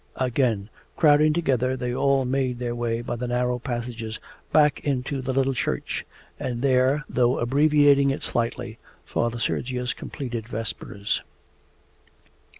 Again crowding together they all made their way by the narrow passages back into the little church, and there, though abbreviating it slightly, Father Sergius completed vespers.